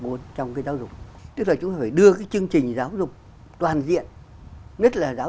muốn trong cái giáo dục tức là chúng phải đưa cái chương trình giáo dục toàn diện nhất là giáo